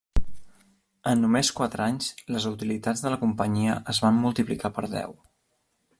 En només quatre anys, les utilitats de la companyia es van multiplicar per deu.